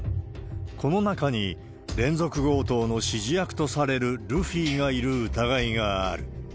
この中に、連続強盗の指示役とされるルフィがいる疑いがある。